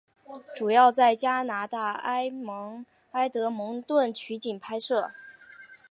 主要在加拿大埃德蒙顿取景拍摄。